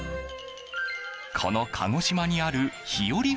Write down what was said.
この鹿児島にあるひより